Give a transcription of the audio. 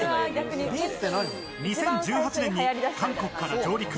２０１８年に韓国から上陸。